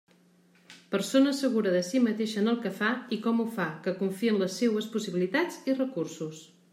Persona segura de si mateixa en el que fa i com ho fa, que confia en les seues possibilitats i recursos.